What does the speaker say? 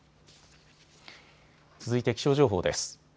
続いて気象情報です。